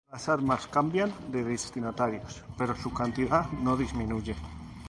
Las armas cambian de destinatarios, pero su cantidad no disminuye.